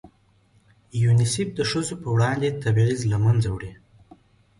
یونیسف د ښځو په وړاندې تبعیض له منځه وړي.